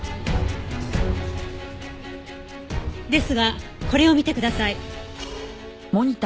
ですがこれを見てください。